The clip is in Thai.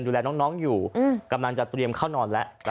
ดูแลน้องน้องอยู่อืมกำลังจะเตรียมเข้านอนแล้วค่ะ